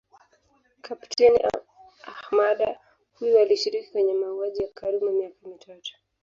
Kapteni Ahmada huyu alishiriki kwenye mauaji ya Karume miaka mitatu